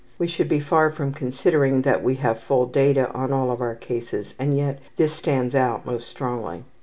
We should be far from considering that we have full data on all of our cases and yet this stands out most strongly.